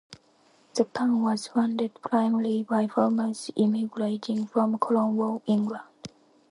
The town was founded primarily by farmers immigrating from Cornwall, England.